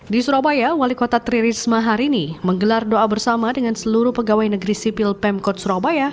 di surabaya wali kota tri risma hari ini menggelar doa bersama dengan seluruh pegawai negeri sipil pemkot surabaya